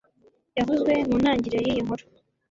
yavuzwe mu ntangiriro y'iyi nkuru.